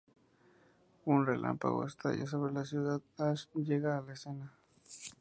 Un relámpago estalla sobre la ciudad, Ash llega a la escena.